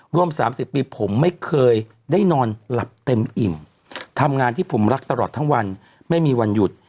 รวม๓๐ปีผมไม่เคยได้นอนหลับเต็มอิ่มทำงานที่ผมรักตลอดทั้งวันไม่มีวันหยุด